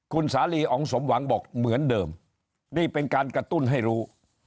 คุณสาลีอ๋องสมหวังบอกเหมือนเดิมนี่เป็นการกระตุ้นให้รู้